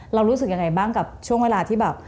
รู้สึกยังไงบ้างกับช่วงเวลาที่แบบ